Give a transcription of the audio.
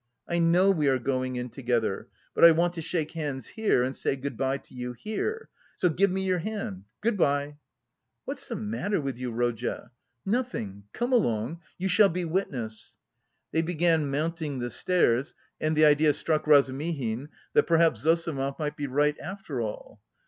"I know we are going in together, but I want to shake hands here and say good bye to you here. So give me your hand, good bye!" "What's the matter with you, Rodya?" "Nothing... come along... you shall be witness." They began mounting the stairs, and the idea struck Razumihin that perhaps Zossimov might be right after all.